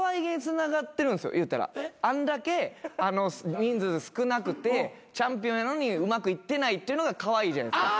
あんだけ人数少なくてチャンピオンやのにうまくいってないっていうのがカワイイじゃないっすか。